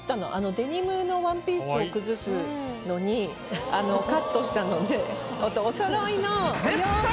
デニムのワンピースを崩すのにカットしたのでおそろいの。